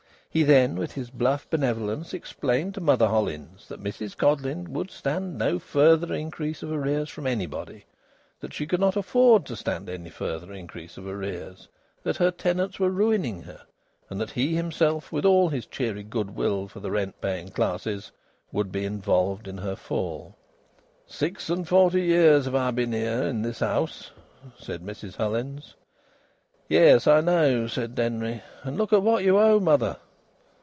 He then, with his bluff benevolence, explained to Mother Hullins that Mrs Codleyn would stand no further increase of arrears from anybody, that she could not afford to stand any further increase of arrears, that her tenants were ruining her, and that he himself, with all his cheery good will for the rent paying classes, would be involved in her fall. "Six and forty years have I been i' this 'ere house!" said Mrs Hullins. "Yes, I know," said Denry. "And look at what you owe, mother!"